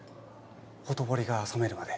ほとぼりが冷めるまで。